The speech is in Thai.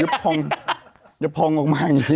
ยึบพองยึบพองออกมาอย่างนี้